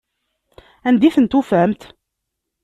Anda i ten-tufamt?